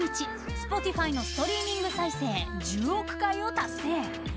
Ｓｐｏｔｉｆｙのストリーミング再生１０億回を達成。